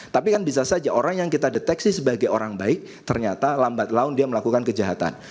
tapi kan bisa saja orang yang kita deteksi sebagai orang baik ternyata lambat laun dia melakukan kejahatan